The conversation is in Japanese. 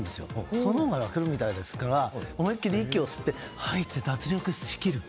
そのほうが楽みたいですから思いっきり息を吐いて脱力しきる。